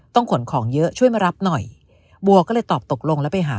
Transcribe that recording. ขนของเยอะช่วยมารับหน่อยบัวก็เลยตอบตกลงแล้วไปหา